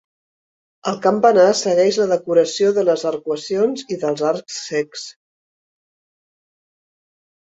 El campanar segueix la decoració de les arcuacions i dels arcs cecs.